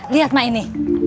lihat mak ini